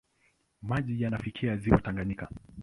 Maji yanafikia ziwa Tanganyika.